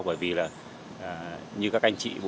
bởi vì như các anh chị bố